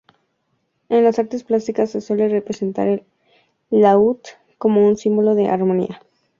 En las artes plásticas se suele representar el laúd como un símbolo de armonía.